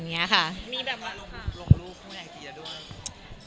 มีแบบมาลงรูปมีแบบมาลงไอเดียด้วย